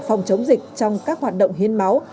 phòng chống dịch trong các hoạt động hiên máu